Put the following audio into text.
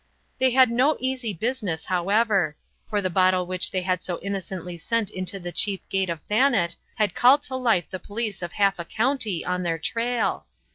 They had no easy business, however; for the bottle which they had so innocently sent into the chief gate of Thanet had called to life the police of half a county on their trail.